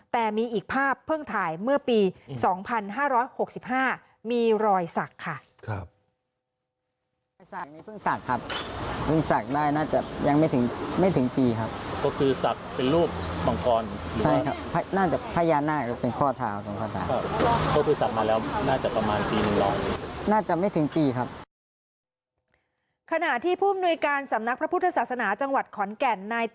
แต่มีอีกภาพเพิ่งถ่ายเมื่อปี๒๕๖๕มีรอยสักค่ะ